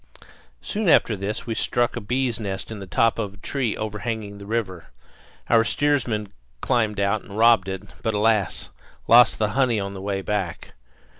Soon after this we struck a bees' nest in the top of a tree overhanging the river; our steersman climbed out and robbed it, but, alas! lost the honey on the way back.